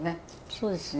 そうですね。